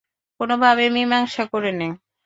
কোনোভাবে মীমাংসা করে নে।